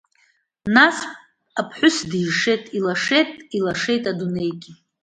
Нас ԥҳәыс дишеит, илашеит, Илашеит адунеигьы!